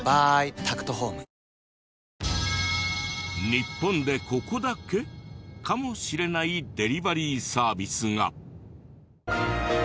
日本でここだけかもしれないデリバリーサービスが。